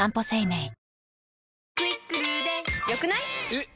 えっ！